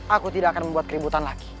aku tidak akan membuat keributan lagi